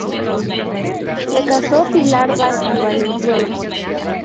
Se casó Pilar Bassa Valenzuela.